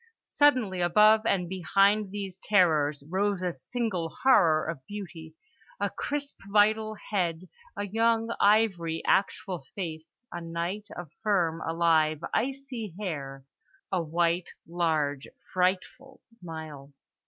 Suddenly above and behind these terrors rose a single horror of beauty—a crisp vital head, a young ivory, actual face, a night of firm, alive, icy hair, a white, large, frightful smile.